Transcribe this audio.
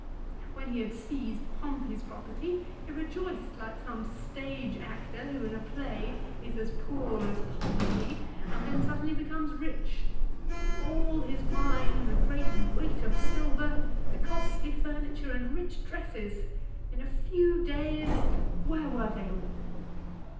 "When he had seized Pompey's property he rejoiced like some stage actor who in a play is as poor as Poverty, and then suddenly becomes rich. All his wine, the great weight of silver, the costly furniture and rich dresses, in a few days where were they all